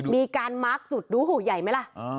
มีการมาร์คจุดดูหูใหญ่ไหมล่ะ